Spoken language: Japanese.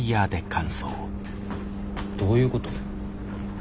どういうこと？